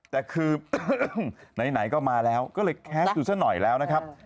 แต่คือไหนก็มาแล้วก็เลยแคสต์อยู่ซะหน่อยแล้วนะครับ